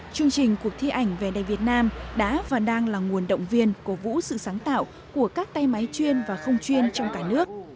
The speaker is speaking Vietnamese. chương trình cuộc thi ảnh về đẹp việt nam đã và đang là nguồn động viên cổ vũ sự sáng tạo của các tay máy chuyên và không chuyên trong cả nước